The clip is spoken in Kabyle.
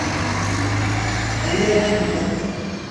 Ayaw ad nmuqel.